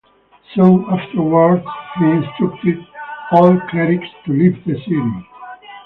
Soon afterwards he instructed all clerics to leave the city.